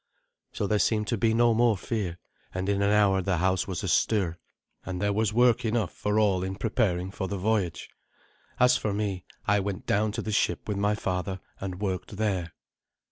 So there seemed to be no more fear, and in an hour the house was astir, and there was work enough for all in preparing for the voyage. As for me, I went down to the ship with my father, and worked there.